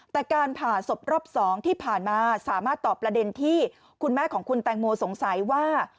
แต่การผ่าศพรอบ๒ที่ผ่านมาสามารถตอบประเด็นที่คุณแม่ของคุณแตงโมสงสัยว่า